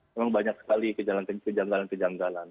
memang banyak sekali kejanggalan kejanggalan